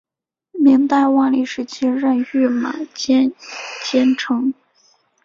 明代万历时期任御马监监丞。